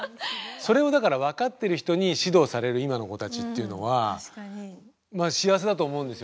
それをだから分かってる人に指導される今の子たちっていうのは幸せだと思うんですよね。